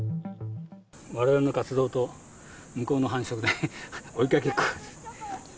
われわれの活動と、向こうの繁殖で、追いかけっこ。